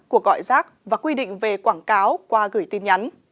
cuộc gọi rác và quy định về quảng cáo qua gửi tin nhắn